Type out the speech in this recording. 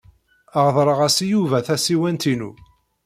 Reḍleɣ-as i Yuba tasiwant-inu.